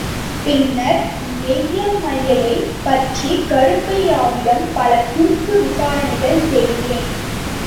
பின்னர் மெய்யம்மையைப் பற்றி கருப்பையாவிடம் பல குறுக்கு விசாரணைகள் செய்தேன்.